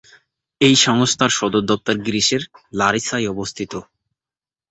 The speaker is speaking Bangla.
এই সংস্থার সদর দপ্তর গ্রিসের লারিসায় অবস্থিত।